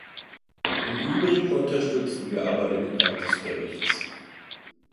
Im Übrigen unterstützen wir aber den Inhalt des Berichts.